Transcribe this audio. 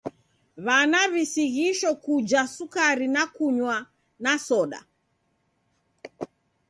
W'ana w'isighisho kuja sukari na kunywa na soda.